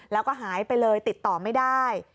แล้วก็หายไปเลยติดต่อไม่ได้